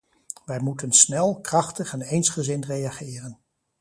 Wij moeten snel, krachtig en eensgezind reageren.